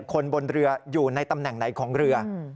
คนบนเรืออยู่ในตำแหน่งไหนของเรือ